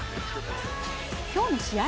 今日の試合